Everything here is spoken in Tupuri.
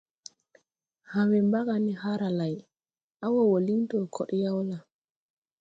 Ha̧ we mbaga ne haara lay, à wɔɔ wɔ liŋ dɔɔ kɔɗ yaw la?